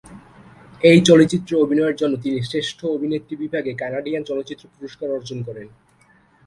এই চলচ্চিত্রে অভিনয়ের জন্য তিনি শ্রেষ্ঠ অভিনেত্রী বিভাগে কানাডিয়ান চলচ্চিত্র পুরস্কার অর্জন করেন।